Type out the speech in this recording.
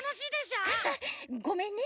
ごめんね。